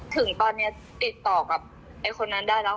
ถึงตอนนี้ติดต่อกับไอ้คนนั้นได้แล้ว